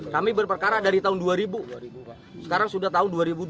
kami berperkara dari tahun dua ribu sekarang sudah tahun dua ribu dua puluh